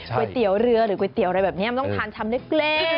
ก๋วยเตี๋ยวเรือหรือก๋วยเตี๋ยวอะไรแบบนี้มันต้องทานชำเล็ก